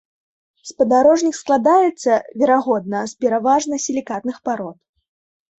Спадарожнік складаецца, верагодна, з пераважна сілікатных парод.